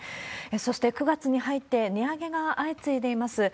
そして、９月に入って値上げが相次いでいます。